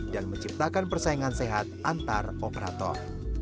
dan menciptakan persaingan sehat antar operator